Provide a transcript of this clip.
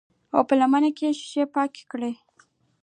او پۀ لمنه يې شيشې پاکې کړې